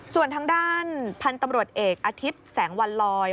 ส่วนทางด้านพันธุ์ตำรวจเอกอาทิตย์แสงวันลอย